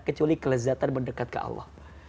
kecuali kelezatan mendekat ke allah